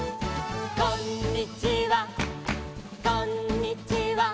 「こんにちはこんにちは」